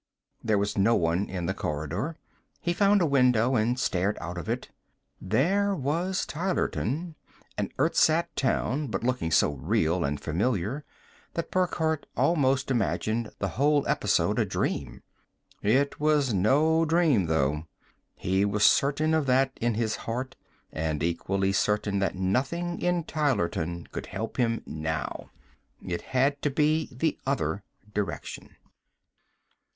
There was no one in the corridor. He found a window and stared out of it. There was Tylerton an ersatz city, but looking so real and familiar that Burckhardt almost imagined the whole episode a dream. It was no dream, though. He was certain of that in his heart and equally certain that nothing in Tylerton could help him now. It had to be the other direction.